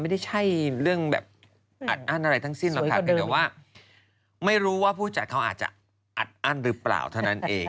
ไม่ใช่เรื่องแบบอัดอั้นอะไรทั้งสิ้นหรอกค่ะเพียงแต่ว่าไม่รู้ว่าผู้จัดเขาอาจจะอัดอั้นหรือเปล่าเท่านั้นเอง